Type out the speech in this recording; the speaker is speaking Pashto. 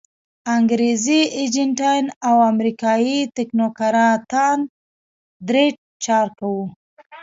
انګریزي ایجنټان او امریکایي تکنوکراتان درې چارکه وو.